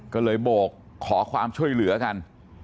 ก็เลยโบกขอความช่วยเหลือกัน